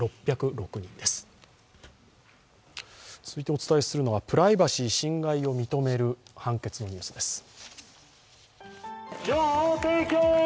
続いてお伝えするのはプライバシー侵害を認める判決のニュースです。